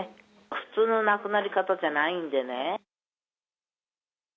普通の亡くなり方じゃないんでね。